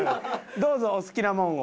どうぞお好きなもんを。